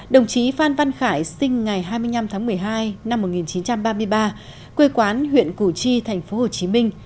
đồng chí phan văn khải sinh ngày hai mươi năm tháng một mươi hai năm một nghìn chín trăm ba mươi ba quê quán huyện củ chi tp hcm